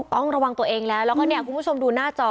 ต้องระวังตัวเองแล้วแล้วก็เนี่ยคุณผู้ชมดูหน้าจอ